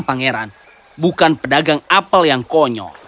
pangeran bukan pedagang apel yang konyol